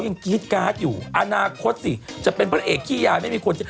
กรี๊ดการ์ดอยู่อนาคตสิจะเป็นพระเอกขี้ยายไม่มีคน